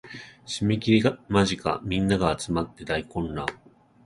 締切間近皆が集って大混乱